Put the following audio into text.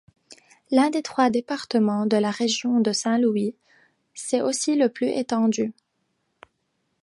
L'un des trois départements de la région de Saint-Louis, c'est aussi le plus étendu.